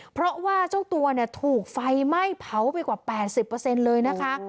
เพราะว่าเจ้าตัวถูกไฟไหม้เผาไปกว่า๘๐เลยนะคะ